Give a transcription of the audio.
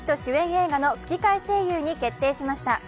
映画の吹き替え声優に決定しました。